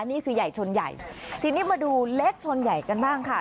นี่คือใหญ่ชนใหญ่ทีนี้มาดูเล็กชนใหญ่กันบ้างค่ะ